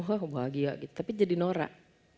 wah bahagia gitu tapi jadi norak